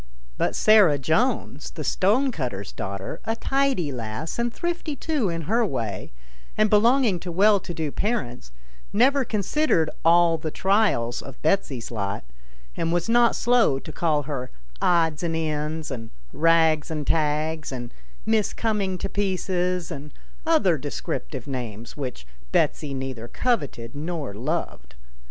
But Sarah Jones, the stonecutter's daughter, a tidy lass and thrifty too in her way, and belonging to well to do parents, never considered all the trials of Betsy's lot, and was not slow to call her " Odds and Ends," and " Eags and Tags," and " Miss Coming to Pieces," and other descriptive names, which Betsy neither coveted nor loved.